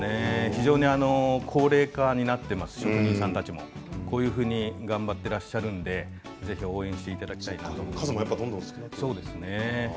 非常に高齢化になっていますし職人さんたちもこういうふうに頑張っていらっしゃいますのでぜひ応援していただければと数も減ってきているんですね。